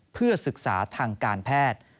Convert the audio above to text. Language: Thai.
เพื่อศึกษาทางการแพทย์